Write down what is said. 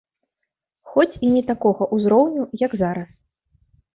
Хоць і не такога ўзроўню, як зараз.